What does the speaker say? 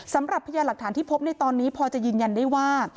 พยานหลักฐานที่พบในตอนนี้พอจะยืนยันได้ว่า